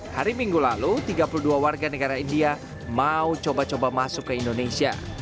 hari minggu lalu tiga puluh dua warga negara india mau coba coba masuk ke indonesia